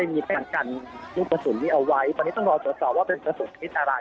มีแปลกกันที่ประสุนนี้เอาไว้ตอนนี้ต้องรอสอบสอบว่าเป็นประสุนมิตรอะไร